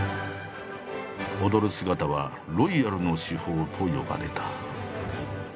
踊る姿は「ロイヤルの至宝」と呼ばれた。